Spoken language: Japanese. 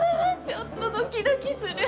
ちょっとドキドキする！